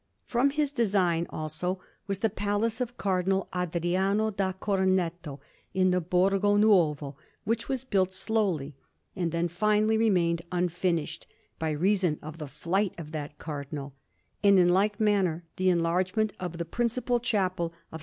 From his design, also, was the Palace of Cardinal Adriano da Corneto in the Borgo Nuovo, which was built slowly, and then finally remained unfinished by reason of the flight of that Cardinal; and in like manner, the enlargement of the principal chapel of S.